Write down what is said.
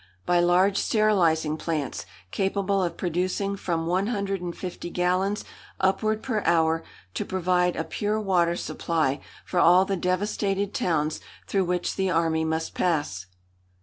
By large sterilising plants, capable of producing from 150 gallons upward per hour, to provide a pure water supply for all the devastated towns through which the army must pass.